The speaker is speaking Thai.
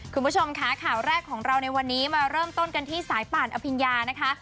คุณผู้ชมค่ะข่าวแรกของเราในวันนี้มาเริ่มต้นกันที่สายป่านอภิญญานะคะ